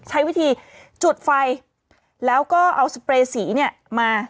ใช้วิธีจุดไฟแล้วก็เอาสเปรย์สีเนี่ยมา